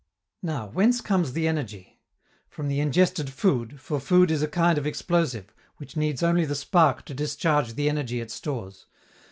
Now, whence comes the energy? From the ingested food, for food is a kind of explosive, which needs only the spark to discharge the energy it stores.